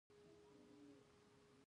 په فلاني کال کې یې هند ته سفر وکړ.